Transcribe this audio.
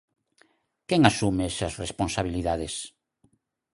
¿Quen asume esas responsabilidades?